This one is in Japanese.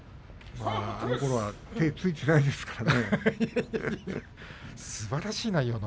あのころは手をついていないですね。